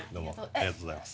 ありがとうございます。